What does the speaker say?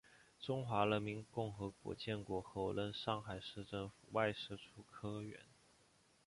中华人民共和国建国后任上海市政府外事处科员。